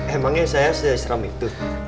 emangnya saya seserem itu